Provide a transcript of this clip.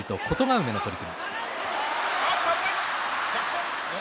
梅の取組。